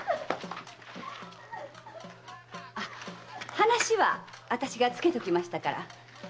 話はあたしがつけときましたから。